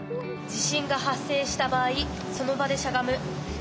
地震が発生した場合その場でしゃがむ。